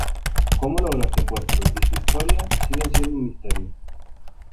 Cómo logró este puesto y su historia siguen siendo un misterio.